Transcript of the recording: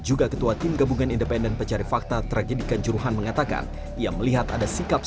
juga ketua tim gabungan independen pencari fakta tragedikan juruhan mengatakan ia melihat ada sikap